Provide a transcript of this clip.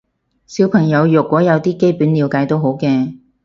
小朋友若果有啲基本了解都好嘅